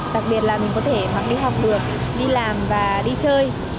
đặc biệt là mình có thể đi học được đi làm và đi chơi